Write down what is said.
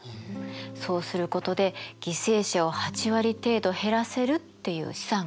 そうすることで犠牲者を８割程度減らせるっていう試算があるの。